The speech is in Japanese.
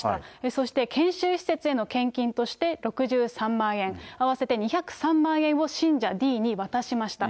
そして研修施設への献金として６３万円、合わせて２０３万円を信者Ｄに渡しました。